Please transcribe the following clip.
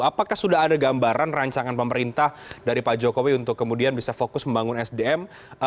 apakah sudah ada gambaran rancangan pemerintah dari pak jokowi untuk kemudian bisa fokus membangun sdm